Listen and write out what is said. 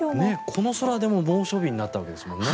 この空でも猛暑日になったわけですもんね。